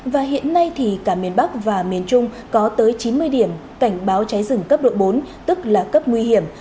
và hiện nay thì cả miền bắc và miền trung có tới chín mươi điểm cảnh báo cháy rừng cấp độ bốn tức là cấp nguy hiểm